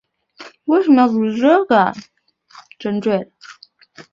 圣阿勒班德沃塞尔人口变化图示